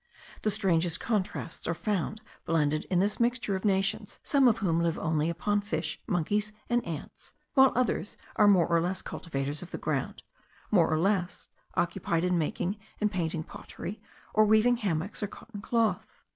The strangest contrasts are found blended in this mixture of nations, some of whom live only upon fish, monkeys, and ants; while others are more or less cultivators of the ground, more or less occupied in making and painting pottery, or weaving hammocks or cotton cloth.